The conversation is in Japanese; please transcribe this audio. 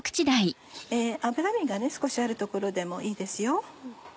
脂身が少しある所でもいいですよ。